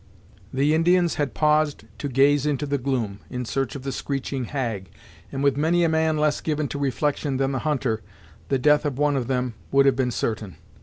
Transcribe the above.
The Indians had paused to gaze into the gloom, in search of the screeching hag, and with many a man less given to reflection than the hunter, the death of one of them would have been certain.